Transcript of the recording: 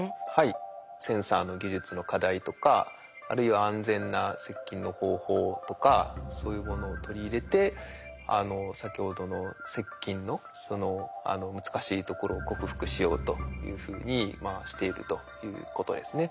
センサーの技術の課題とかあるいは安全な接近の方法とかそういうものを取り入れて先ほどの接近のあの難しいところを克服しようというふうにしているということですね。